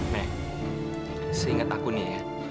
nek seinget aku nih ya